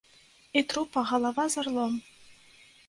І трупа галава з арлом!